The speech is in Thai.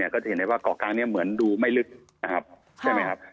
ก็จะเห็นได้ว่าเกาะกลางนี้เหมือนดูไม่ลึกนะครับใช่ไหมครับ